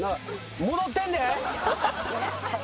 戻ってんで！